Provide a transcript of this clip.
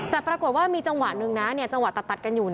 แต่ปรากฏว่ามีจังหวะหนึ่งนะจังหวะตัดกันอยู่